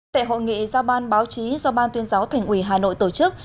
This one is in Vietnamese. tại hội nghị giao ban báo chí do ban tuyên giáo thành ủy hà nội tổ chức